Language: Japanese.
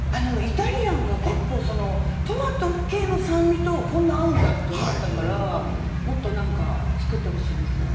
イタリアンがトマト系の酸味とこんなに合うんだと思ったからもっと作ってほしいです。